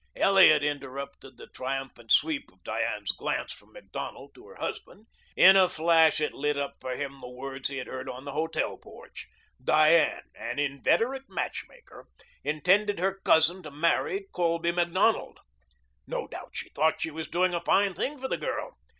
Elliot intercepted the triumphant sweep of Diane's glance from Macdonald to her husband. In a flash it lit up for him the words he had heard on the hotel porch. Diane, an inveterate matchmaker, intended her cousin to marry Colby Macdonald. No doubt she thought she was doing a fine thing for the girl.